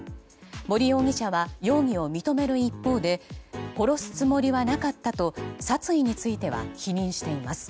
森容疑者は容疑を認める一方で殺すつもりはなかったと殺意については否認しています。